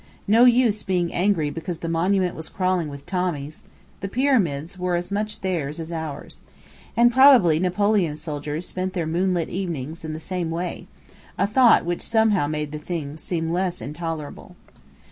No use being angry because the monument was crawling with Tommies! The Pyramids were as much theirs as ours. And probably Napoleon's soldiers spent their moonlit evenings in the same way; a thought which somehow made the thing seem less intolerable.